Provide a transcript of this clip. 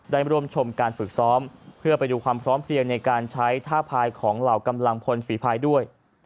ได้ร่วมชมการฝึกซ้อมเพื่อไปดูความพร้อมเพลียงในการใช้ท่าพายของเหล่ากำลังพลฝีภายด้วย